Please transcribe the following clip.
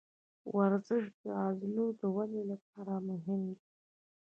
ورزش د عضلو د ودې لپاره مهم دی.